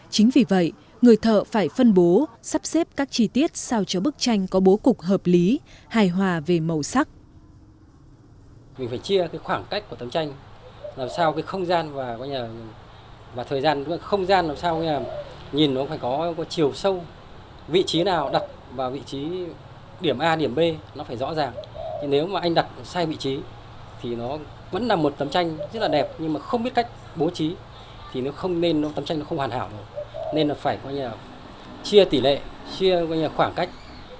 chính vì vậy người thợ phải phân bố sắp xếp các chi tiết sao cho bức tranh có bố cục hợp lý hài hòa về màu sắc